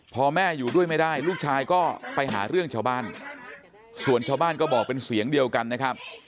พอแม่อยู่ด้วยไม่ได้ลูกชายก็ไปหาเรื่องชาวบ้านส่วนชาวบ้านก็บอกเป็นเสียงเดียวกันนะครับ